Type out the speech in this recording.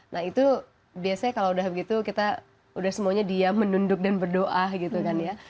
nah itu biasanya kalau udah begitu kita udah semuanya diam menunduk dan berdoa gitu kan ya